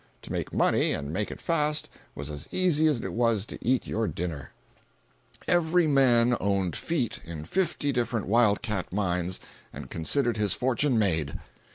To make money, and make it fast, was as easy as it was to eat your dinner. 307.jpg (54K) Every man owned "feet" in fifty different wild cat mines and considered his fortune made.